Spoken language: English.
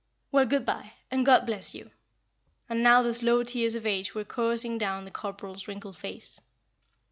Well, good bye, and God bless you!" And now the slow tears of age were coursing down the corporal's wrinkled face.